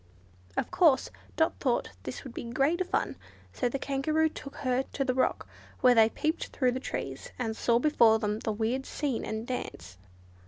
Of course Dot thought this would be great fun, so the Kangaroo took her to the rock, where they peeped through the trees and saw before them the weird scene and dance.